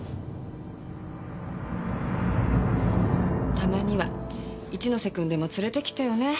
たまには一ノ瀬くんでも連れてきてよね。